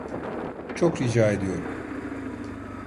Çok rica ediyorum!